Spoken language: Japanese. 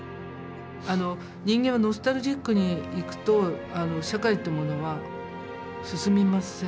あの人間はノスタルジックにいくと社会ってものは進みません。